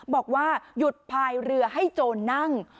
บอกว่าหยุดพายเรือให้โจรนั่ง